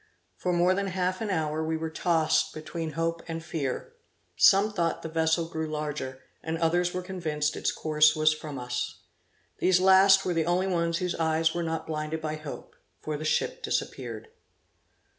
For more than half an hour, we were tossed between hope and fear. Some thought the vessel grew larger, and others were convinced its course was from us. These last were the only ones whose eyes were not blinded by hope, for the ship disappeared.